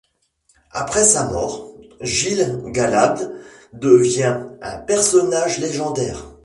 Après sa mort, Gil-galad devient un personnage légendaire.